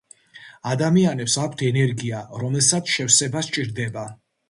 ადამიანებს აქვთ ენერგია რომელსაც შევსება სჭირდება